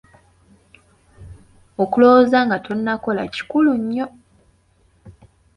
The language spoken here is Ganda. Okulowooza nga tonnakola kikulu nnyo.